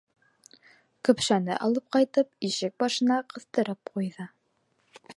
Көпшәне алып ҡайтып, ишек башына ҡыҫтырып ҡуйҙы.